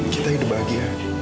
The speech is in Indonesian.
kita hidup bahagia